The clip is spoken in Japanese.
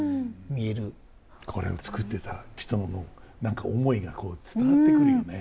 これを作ってた人の何か思いがこう伝わってくるよね。